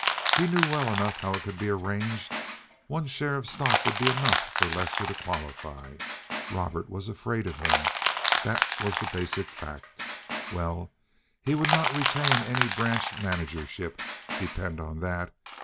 He knew well enough how it could be arranged. One share of stock would be enough for Lester to qualify. Robert was afraid of him—that was the basic fact. Well, he would not retain any branch managership, depend on that.